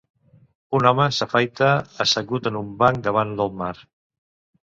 Un home s'afaita assegut en un banc davant del mar.